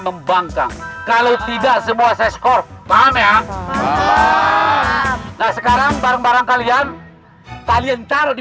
membangkang kalau tidak semua seskor paham ya sekarang barang barang kalian kalian taruh di